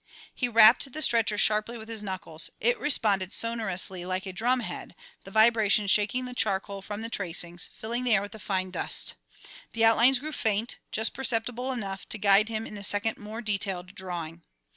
He rapped the stretcher sharply with his knuckles; it responded sonorously like a drumhead, the vibration shaking the charcoal from the tracings, filling the air with a fine dust. The outlines grew faint, just perceptible enough to guide him in the second more detailed drawing.